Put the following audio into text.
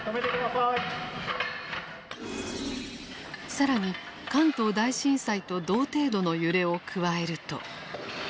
更に関東大震災と同程度の揺れを加えると。